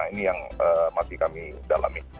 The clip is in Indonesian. ini yang masih kami dalami